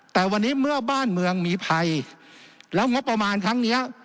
แต่วันนี้เมื่อบ้านเมืองมีภัยแล้วงบประมาณครั้งเนี้ย